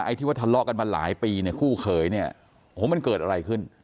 ที่ว่าทะเลาะกันมาหลายปีเนี่ยคู่เขยเนี่ยโอ้โหมันเกิดอะไรขึ้น